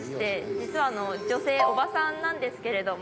実は女性おばさんなんですけれども。